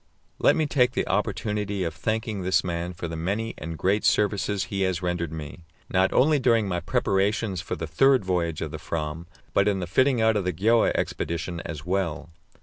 Let me take the opportunity of thanking this man for the many and great services he has rendered me, not only during my preparations for the third voyage of the Fram, but in the fitting out of the Gjöa expedition as well.